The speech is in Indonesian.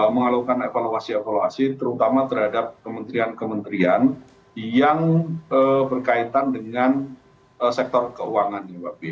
mengalukan evaluasi evaluasi terutama terhadap kementerian kementerian yang berkaitan dengan sektor keuangan